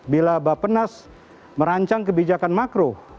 bila bapenas merancang kebijakan makro